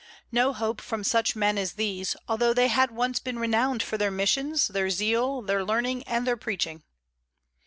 No hope from such men as these, although they had once been renowned for their missions, their zeal, their learning, and their preaching.